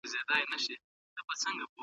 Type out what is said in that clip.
د سرک په غاړه مه ځئ.